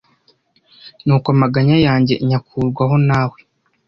Nuko amaganya yanjye nyakurwaho nawe